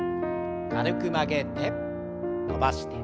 軽く曲げて伸ばして。